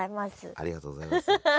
ありがとうございます。